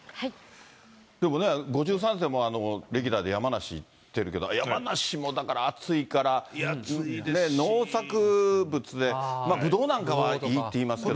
でもね、５３世もレギュラーで山梨行ってるけど、山梨もだから暑いから、農作物ね、ブドウなんかはいいっていいますけど。